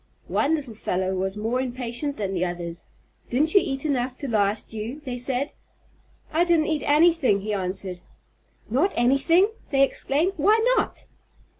One little fellow was more impatient than the others. "Didn't you eat enough to last you?" they said. "I didn't eat anything," he answered. "Not anything!" they exclaimed. "Why not?"